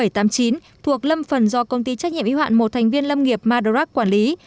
thuộc lâm phần do công ty trách nhiệm y hoạn một thành viên lâm nghiệp madrak quản lý